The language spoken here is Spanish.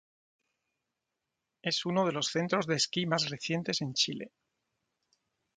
Es uno de los centros de esquí más recientes en Chile.